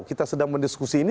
kita sedang mendiskusi ini